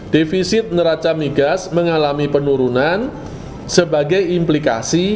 defisit neraca migas mengalami penurunan sebagai implikasi